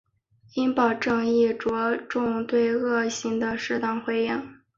应报正义着重对恶行的适当回应。